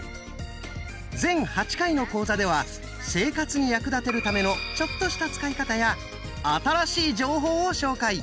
全８回の講座では生活に役立てるためのちょっとした使い方や新しい情報を紹介。